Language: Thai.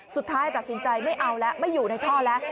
สุดท้ายตัดสินใจไม่เอาแล้วไม่อยู่ในท่อแล้ว